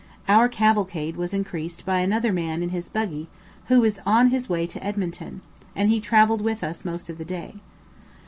Our cavalcade was increased by another man in his buggy, who was on his way to Edmonton, and he travelled with us most of the day.